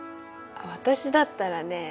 私だったらね